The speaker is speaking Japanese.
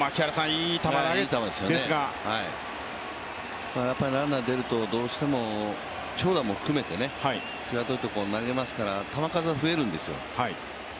いい球ですよね、やっぱりランナーが出ると長打も含めてきわどいところに投げますから球数は増えるんですよ。